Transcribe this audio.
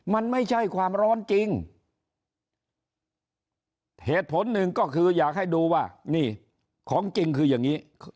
มันไม่ใช่ความร้อนจริงเหตุผลหนึ่งก็คืออยากให้ดูว่านี่ของจริงคืออย่างนี้